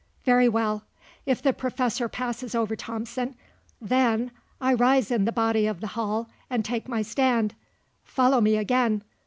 Very well. If the Professor passes over Thomson, then, I rise in the body of the Hall, and take my stand follow me again!